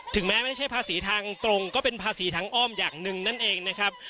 แม้ไม่ใช่ภาษีทางตรงก็เป็นภาษีทางอ้อมอย่างหนึ่งนั่นเองนะครับ